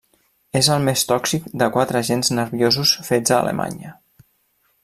És el més tòxic de quatre agents nerviosos fets a Alemanya.